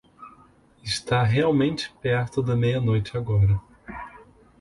Está realmente perto da meia-noite agora.